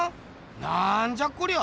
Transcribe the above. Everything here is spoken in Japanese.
なんじゃこりゃ。